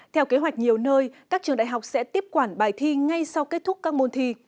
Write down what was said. theo kế hoạch nhiều nơi các trường đại học sẽ tiếp quản bài thi ngay sau kết thúc các môn thi